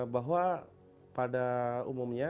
bahwa pada umumnya